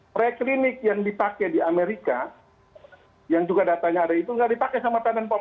preklinik yang dipakai di amerika yang juga datanya ada itu nggak dipakai sama tenan pop